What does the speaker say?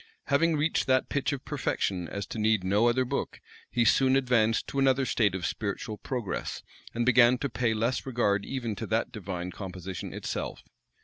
Having reached that pitch of perfection as to need no other book, he soon advanced to another state of spiritual progress, and began to pay less regard even to that divine composition itself.